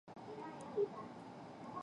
属牂牁郡。